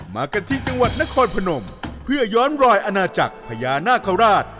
มากันที่จังหวัดนครพนมเพื่อย้อนรอยอาณาจักรพญานาคาราช